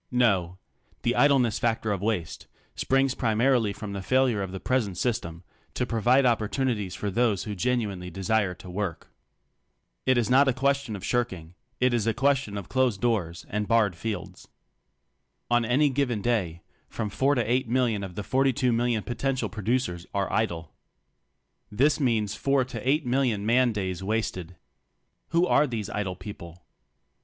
No. The idleness factor of waste springs primarily from the failure of the present system to provide opportunities for those who genuinely desire to work. It is not a question of shirking, it is a question of closed doors and barred fields. On any given day, from four to eight million of the forty '' I have repeatedly tested my own performance and that of many of my friends with this standard. 18 two million potential producers are idle. This means four to eight million man days wasted. Who are these idle people